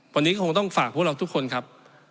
วันนี้คงต้องฝากพวกเราทุกคนครับ